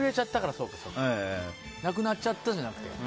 なくなっちゃったじゃなくて。